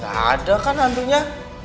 gak ada kan hantunya